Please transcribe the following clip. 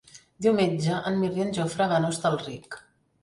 Diumenge en Mirt i en Jofre van a Hostalric.